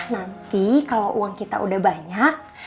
nanti kalau uang kita udah banyak